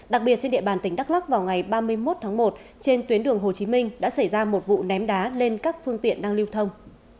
đặc biệt trên địa bàn tỉnh đắk lắc vào ngày ba mươi một tháng một trên tuyến đường hồ chí minh đã xảy ra một vụ ném đá lên các phương tiện đang lưu thông